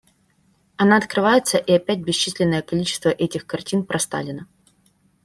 Она открывается и опять бесчисленное количество этих картин про Сталина.